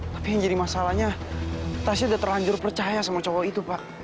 tapi yang jadi masalahnya tasnya udah terlanjur percaya sama cowok itu pak